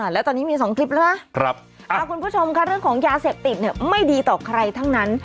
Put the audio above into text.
แล้วตอนนี้มี๒คลิปแล้วนะคุณผู้ชมค่ะเรื่องของยาเสพติดไม่ดีต่อใครทั้งนั้น